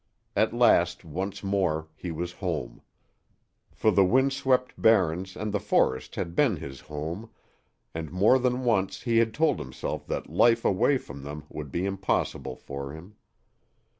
At last, once more, he was home. For the wind swept Barrens and the forest had been his home, and more than once he had told himself that life away from them would be impossible for him.